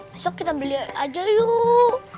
besok kita beli aja yuk